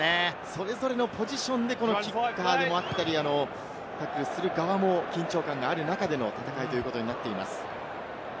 それぞれのポジションでキッカーであったり、タックルする側も緊張感がある中での戦いということになっています。